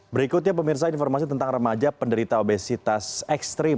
berikutnya pemirsa informasi tentang remaja penderita obesitas ekstrim